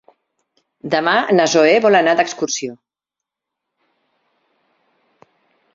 Demà na Zoè vol anar d'excursió.